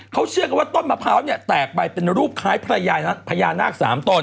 เขาเชื่อกันว่าต้นมะพร้าวเนี่ยแตกไปเป็นรูปคล้ายพญานาค๓ต้น